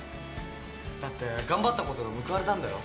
だって頑張ったことが報われたんだよ。